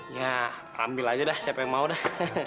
ya ambil aja dah siapa yang mau dah